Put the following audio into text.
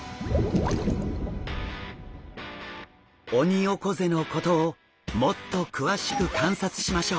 オニオコゼのことをもっと詳しく観察しましょう。